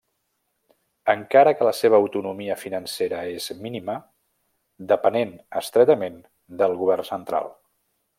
Encara que la seva autonomia financera és mínima, depenent estretament del govern central.